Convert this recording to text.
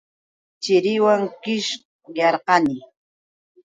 Chiriwan qishyarqani.